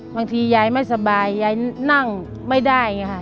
บางทียายไม่สบายยายนั่งไม่ได้อย่างนี้ค่ะ